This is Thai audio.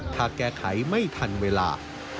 ถ้าแก้ไขไม่ทันเวลา